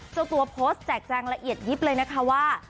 เจ้าตัวโพสต์แจกแจงละเอียดยิบเลยนะคะว่า